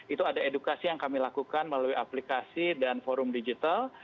itu ada edukasi yang kami lakukan melalui aplikasi dan forum digital